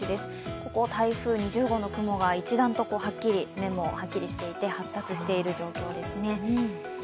ここ、台風２０号の雲が一段と、目もはっきりしていて発達している状況ですね。